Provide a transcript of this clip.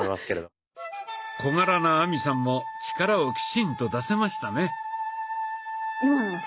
小柄な亜美さんも力をきちんと出せましたね。